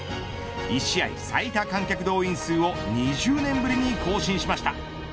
１試合最多観客動員数を２０年ぶりに更新しました。